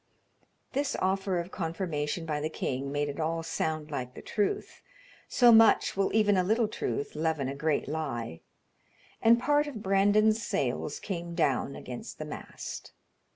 This offer of confirmation by the king made it all sound like the truth, so much will even a little truth leaven a great lie; and part of Brandon's sails came down against the mast.